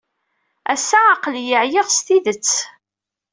Ass-a, aql-iyi ɛyiɣ s tidet.